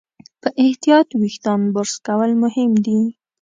په احتیاط وېښتيان برس کول مهم دي.